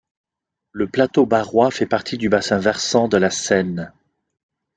Le Plateau barrois fait partie du bassin versant de la Seine.